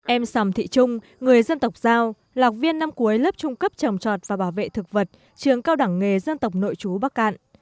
em sầm thị trung người dân tộc giao lọc viên năm cuối lớp trung cấp trồng trọt và bảo vệ thực vật trường cao đẳng nghề dân tộc nội chú bắc cạn